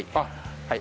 はい。